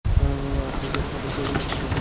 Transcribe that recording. আপনি যেরূপ আদেশ করিবেন তাহাই হইবে।